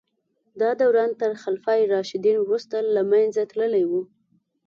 دا دوران تر خلفای راشدین وروسته له منځه تللی و.